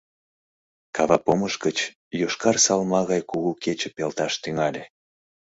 Кава помыш гыч йошкар салма гай кугу кече пелташ тӱҥале.